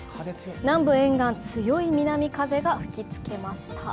南部沿岸、強い南風が吹きつけました。